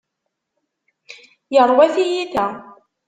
Yerwa tiyita.